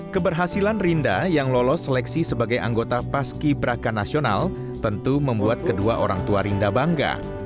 keberhasilan rinda yang lolos seleksi sebagai anggota paski braka nasional tentu membuat kedua orang tua rinda bangga